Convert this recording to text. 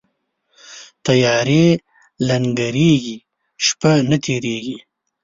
تیارې لنګیږي، شپه نه تیریږي